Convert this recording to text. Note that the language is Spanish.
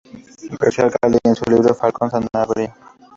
García-Alcalde en su libro "Falcón Sanabria.